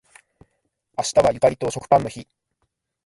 明日はゆかりと食パンの日